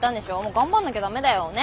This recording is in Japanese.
頑張んなきゃ駄目だよ。ね？